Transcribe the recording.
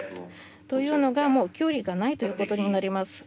というのは距離がないということになります。